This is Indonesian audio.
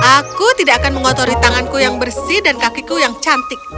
aku tidak akan mengotori tanganku yang bersih dan kakiku yang cantik